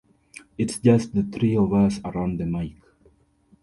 It's just the three of us around the mic.